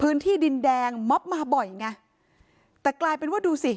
พื้นที่ดินแดงม็อบมาบ่อยไงแต่กลายเป็นว่าดูสิ